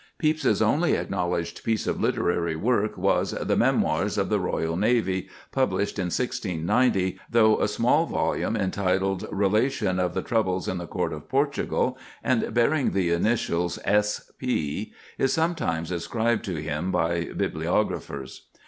Pepys's only acknowledged piece of literary work was "The Memoirs of the Royal Navy," published in 1690, though a small volume entitled "Relation of the Troubles in the Court of Portugal." and bearing the initials, S. P., is sometimes ascribed to him by bibliographers.